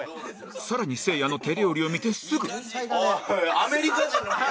更にせいやの手料理を見てすぐ